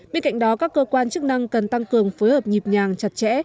bên cạnh đó các cơ quan chức năng cần tăng cường phối hợp nhịp nhàng chặt chẽ